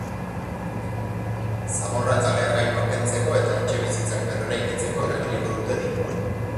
Zaborra eta lehergailuak kentzeko eta etxebizitzak berreraikitzeko erabiliko dute dirua.